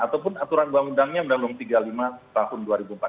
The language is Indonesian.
ataupun aturan buang undangnya menandung tiga puluh lima tahun dua ribu empat belas